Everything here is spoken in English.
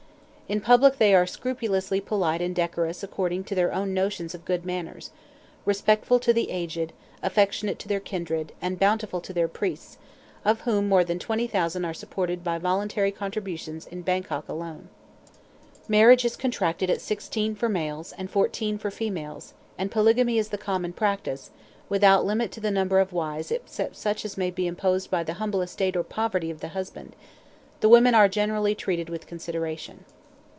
In public they are scrupulously polite and decorous according to their own notions of good manners, respectful to the aged, affectionate to their kindred, and bountiful to their priests, of whom more than twenty thousand are supported by voluntary contributions in Bangkok alone. Marriage is contracted at sixteen for males, and fourteen for females, and polygamy is the common practice, without limit to the number of wives except such as may be imposed by the humble estate or poverty of the husband; the women are generally treated with consideration.